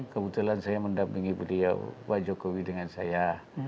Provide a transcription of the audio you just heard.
kebetulan saya mendampingi beliau pak jokowi dengan saya